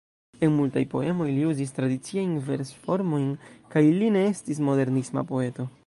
En multaj poemoj li uzis tradiciajn vers-formojn kaj li ne estis modernisma poeto.